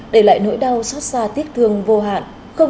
để lại nỗi đau xót xa tiếc thương vô hạn